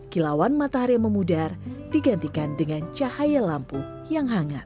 kilauan matahari yang memudar digantikan dengan cahaya lampu yang hangat